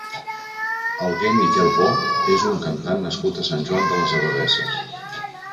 Alguer Miquel Bo és un cantant nascut a Sant Joan de les Abadesses.